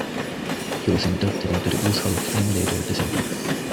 He was inducted into the Blues Hall of Fame later the same year.